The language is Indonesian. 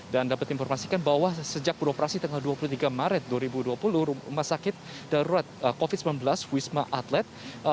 dan dapat informasikan bahwa sejak beroperasi tanggal dua puluh tiga maret dua ribu dua puluh rumah sakit darurat covid sembilan belas wisma atlet